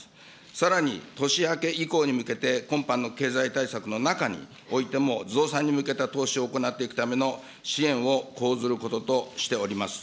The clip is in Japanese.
さらに、年明け以降に向けて、今般の経済対策の中においても、増産に向けた投資を行っていくための支援を講ずることとしております。